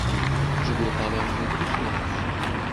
Je dois parler anglais plus souvent.